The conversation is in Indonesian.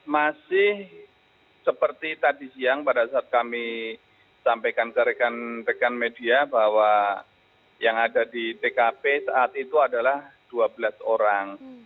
masih seperti tadi siang pada saat kami sampaikan ke rekan rekan media bahwa yang ada di tkp saat itu adalah dua belas orang